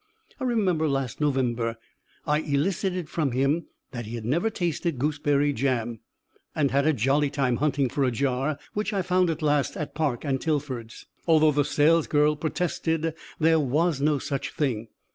I remember last November I elicited from him that he had never tasted gooseberry jam, and had a jolly time hunting for a jar, which I found at last at Park and Tilford's, although the sales girl protested there was no such thing.